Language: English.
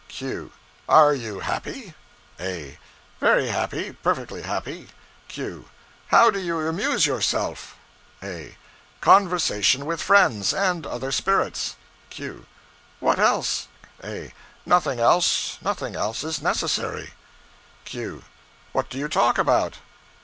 Q. Are you happy? A. Very happy. Perfectly happy. Q. How do you amuse yourself? A. Conversation with friends, and other spirits. Q. What else? A. Nothing else. Nothing else is necessary. Q. What do you talk about?